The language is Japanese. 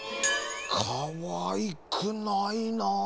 かわいくないな。